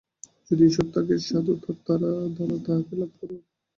যদি ঈশ্বর থাকেন, সাধুতার দ্বারা তাঁহাকে লাভ কর।